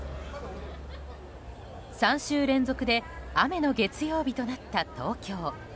３週連続で雨の月曜日となった東京。